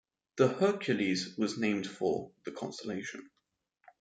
The "Hercules" was named for the constellation.